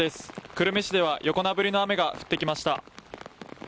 久留米市では横殴りの雨が降ってきました。